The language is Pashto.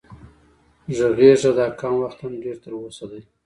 غږېږه دا کم وخت هم ډېر تر اوسه دی